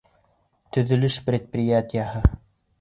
Төҙөлөш предприятиеһы.